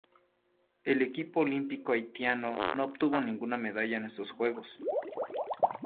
El equipo olímpico haitiano no obtuvo ninguna medalla en estos Juegos.